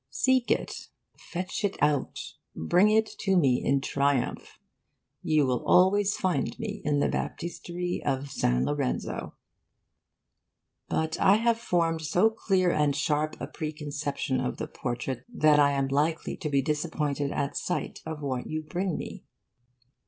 Seek it, fetch it out, bring it to me in triumph. You will always find me in the Baptistery of San Lorenzo. But I have formed so clear and sharp a preconception of the portrait that I am likely to be disappointed at sight of what you bring me.